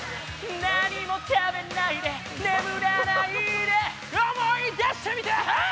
何も食べないで眠らないで思い出してみて、ヘイ！